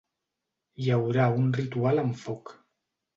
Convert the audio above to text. Hi haurà un ritual amb foc.